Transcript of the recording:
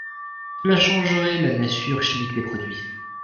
Cela changerait la nature chimique des produits.